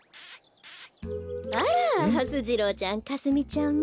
あらはす次郎ちゃんかすみちゃんも。